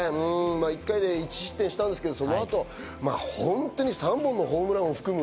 １回で１失点したんですけど、その後３本のホームランを含む